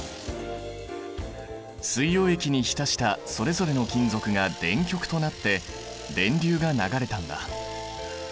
水溶液に浸したそれぞれの金属が電極となって電流が流れたんだ。